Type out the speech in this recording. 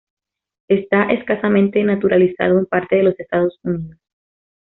Está escasamente naturalizado en partes de los Estados Unidos.